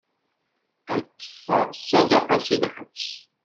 Ad d-teffeɣ ṣṣadaqa si lḥebs.